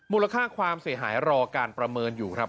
มูลค่าความเสียหายรอการประเมินอยู่ครับ